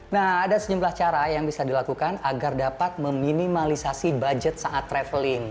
nah ada sejumlah cara yang bisa dilakukan agar dapat meminimalisasi budget saat traveling